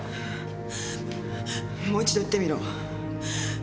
もう一度言ってみろ。